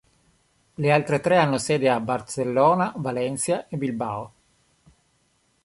Le altre tre hanno sede a Barcellona, Valencia, e Bilbao.